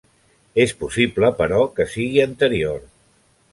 És possible però que sigui anterior.